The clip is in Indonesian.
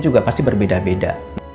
juga pasti berbeda beda